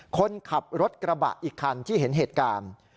คนขับรถกระบะอีกคันที่เห็นเหตุการณ์